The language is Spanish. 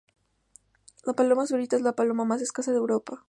La paloma zurita es la paloma más escasa de Europa.